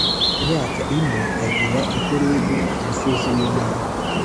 Imyaka ine agera i Horebu ku musozi w Imana.